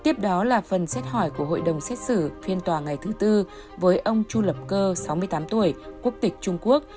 tiếp đó là phần xét hỏi của hội đồng xét xử phiên tòa ngày thứ tư với ông chu lập cơ sáu mươi tám tuổi quốc tịch trung quốc